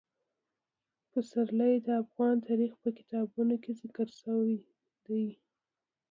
پسرلی د افغان تاریخ په کتابونو کې ذکر شوی دي.